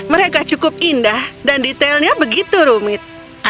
mereka cukup indah dan detailnya begitu rumit